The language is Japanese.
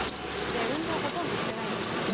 運動ほとんどしてないんですけど。